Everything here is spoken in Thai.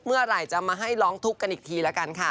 เมื่อไหร่จะมาให้ร้องทุกข์กันอีกทีละกันค่ะ